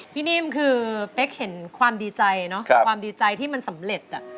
นิ่มคือเป๊กเห็นความดีใจเนอะความดีใจที่มันสำเร็จ